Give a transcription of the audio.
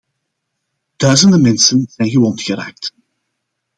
Duizenden mensen zijn gewond geraakt.